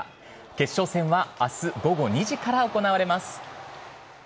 決勝戦はあす午後２時から行われます。